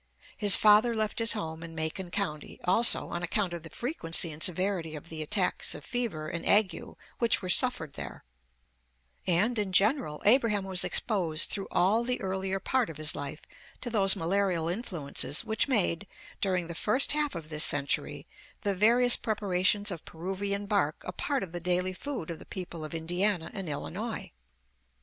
His father left his home in Macon County, also, on account of the frequency and severity of the attacks of fever and ague which were suffered there; and, in general, Abraham was exposed through all the earlier part of his life to those malarial influences which made, during the first half of this century, the various preparations of Peruvian bark a part of the daily food of the people of Indiana and Illinois.